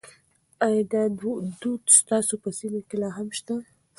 ایا دا دود ستاسو په سیمه کې لا هم شته؟